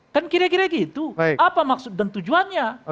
kan kira kira gitu apa maksud dan tujuannya